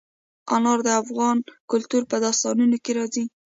انار د افغان کلتور په داستانونو کې راځي.